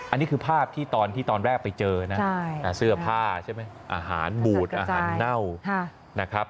อันนี้คือภาพที่ตอนที่ตอนแรกไปเจอนะเสื้อผ้าใช่ไหมอาหารบูดอาหารเน่านะครับ